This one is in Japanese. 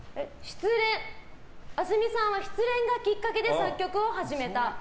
ａｓｍｉさんは失恋がきっかけで作曲を始めた。